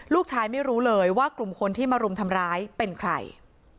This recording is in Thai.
ไม่รู้เลยว่ากลุ่มคนที่มารุมทำร้ายเป็นใคร